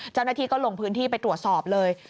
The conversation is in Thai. เจ้าหน้าที่ก็ลงพื้นที่ไปตรวจสอบเลย